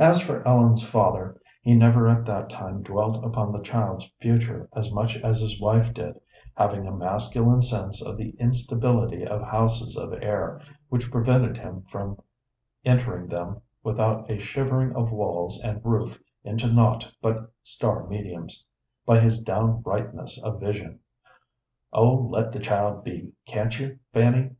As for Ellen's father, he never at that time dwelt upon the child's future as much as his wife did, having a masculine sense of the instability of houses of air which prevented him from entering them without a shivering of walls and roof into naught but star mediums by his downrightness of vision. "Oh, let the child be, can't you, Fanny?"